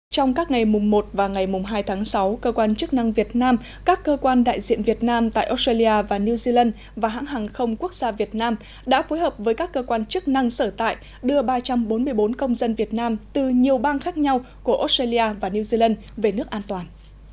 trong các ngày mùng một và ngày mùng hai tháng sáu cơ quan chức năng việt nam các cơ quan đại diện việt nam tại australia và new zealand và hãng hàng không quốc gia việt nam đã phối hợp với các cơ quan chức năng sở tại đưa ba trăm bốn mươi bốn công dân việt nam từ nhiều bang khác nhau của australia và new zealand về nước an toàn